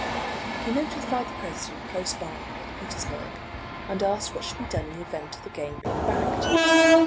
He notified the President close by, at Petersburg, and asked what should be done in the event of the game being bagged.